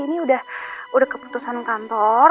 ini udah keputusan kantor